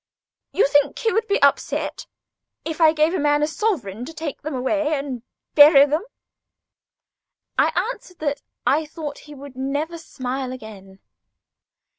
"You think he would be upset," she queried, "if I gave a man a sovereign to take them away and bury them?" I answered that I thought he would never smile again.